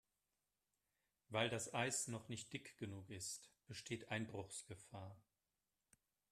Weil das Eis noch nicht dick genug ist, besteht Einbruchsgefahr.